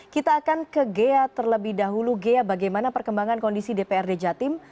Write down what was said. kita akan ke ghea terlebih dahulu ghea bagaimana perkembangan kondisi dprd jatim